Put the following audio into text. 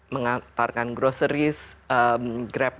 mengantarkan groceries grab bags